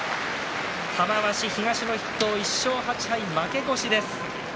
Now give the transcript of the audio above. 玉鷲、東の筆頭、１勝８敗負け越しです。